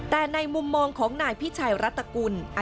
แต่ในมุมมองของนายพิชัยรัฐกุล